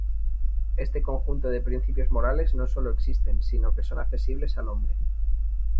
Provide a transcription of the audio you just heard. Este conjunto de principios morales no solo existen, sino que son accesibles al hombre.